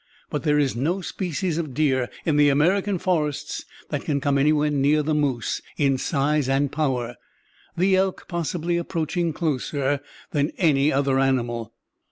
But there is no species of deer in the American forests that can come anywhere near the moose in size and power, the elk possibly approaching closer than any other animal.